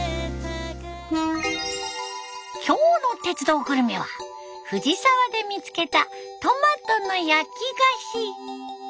今日の「鉄道グルメ」は藤沢で見つけたトマトの焼き菓子。